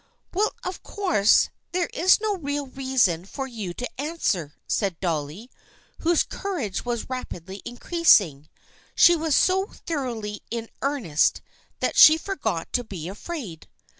" Well, of course there is no real reason for you to answer," said Dolly, whose courage was rapidly increasing. She was so thoroughly in earnest that she forgot to be afraid.